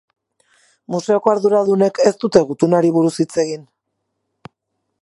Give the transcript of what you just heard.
Museoko arduradunek ez dute gutunari buruz hitz egin.